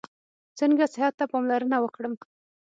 څنګه صحت ته پاملرنه وکړم؟